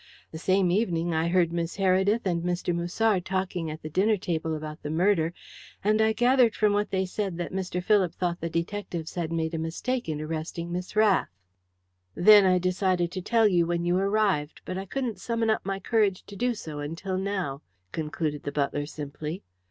The same evening I heard Miss Heredith and Mr. Musard talking at the dinner table about the murder, and I gathered from what they said that Mr. Philip thought the detectives had made a mistake in arresting Miss Rath. Then I decided to tell you when you arrived, but I couldn't summon up my courage to do so until now," concluded the butler simply.